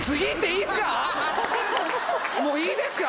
もういいですか？